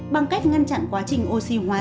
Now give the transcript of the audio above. bằng cách ngăn chặn quá trình oxy hóa